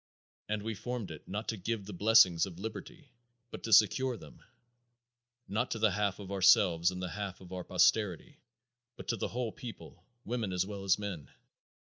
And we formed it, not to give the blessings of liberty, but to secure them; not to the half of ourselves and the half of our posterity, but to the whole people women as well as men.